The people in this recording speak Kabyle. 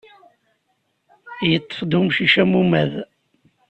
Yeṭṭef-d umcic amumad.